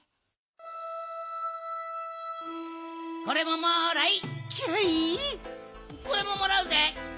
これももらうぜ！